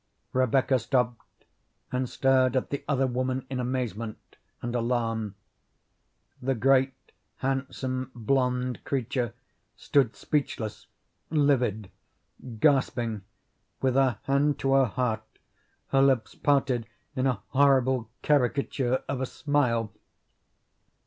Rebecca stopped and stared at the other woman in amazement and alarm. The great handsome blonde creature stood speechless, livid, gasping, with her hand to her heart, her lips parted in a horrible caricature of a smile.